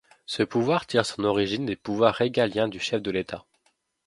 Ce pouvoir tire son origine des pouvoirs régaliens du chef de l’État.